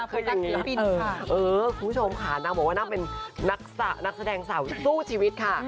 คุณผู้ชมค่ะนางบอกว่านางเป็นนักแสดงสาวสู้ชีวิตค่ะ